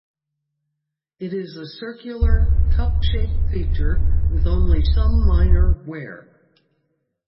It is a circular, cup-shaped feature with only some minor wear.